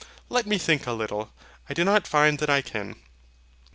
Let me think a little I do not find that I can.